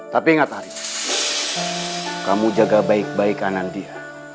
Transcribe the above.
tapi ingat hari ini kamu jaga baik baik nandia